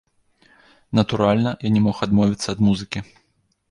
Натуральна, я не мог адмовіцца ад музыкі.